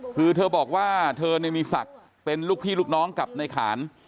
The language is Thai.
คือเธอบอกว่าเธอมีศักดิ์เป็นลูกพี่ลูกน้องกับในขาน